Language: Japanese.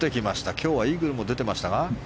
今日はイーグルも出てましたが。